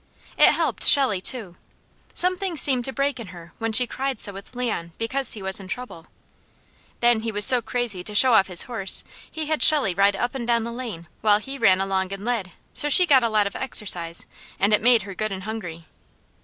It helped Shelley, too. Something seemed to break in her, when she cried so with Leon, because he was in trouble. Then he was so crazy to show off his horse he had Shelley ride up and down the lane, while he ran along and led, so she got a lot of exercise, and it made her good and hungry.